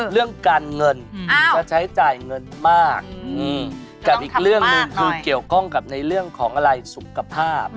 เรื่องกันเงินถ้าใช้จ่ายเงินมากอยู่เกี่ยวข้องกับในเรื่องของอะไรสุขภาพ